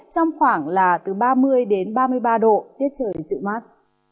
trong khoảng là từ ba mươi đến ba mươi ba độ tiết trời dịu mát